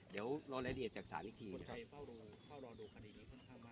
เดี๋ยวลองรายละเอียดจากศาลหนึ่งที